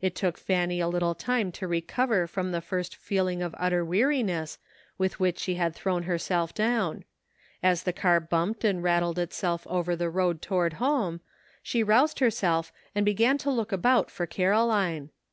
It took Fanny a little time to recover from the first feeling of utter weariness with which she had thrown herself down; as the car bumped and rattled itself over the road toward home, she roused herself and began to look about for Caroline.